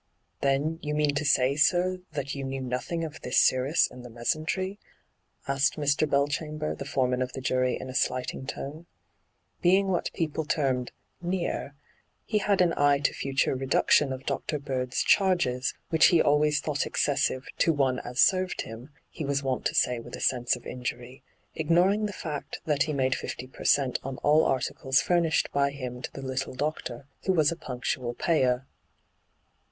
* Then, you mean to say, sir, that you knew nothing of this scirrhus in the mesentery V asked Mr. Belchamber, the foreman of the jury, in a slighting tone. Being what people termed ' near,' he had an eye to future re duction of Dr. Bird's charges, which he always thought excessive ' to one as served him,' he was wont to say with a sense of injury, ignoring the fact that he made fifly per cent, on all articles furnished by him to the little doctor, who was a punctual payer.